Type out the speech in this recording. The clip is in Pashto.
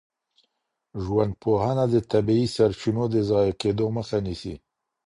ژوندپوهنه د طبیعي سرچینو د ضایع کيدو مخه نیسي.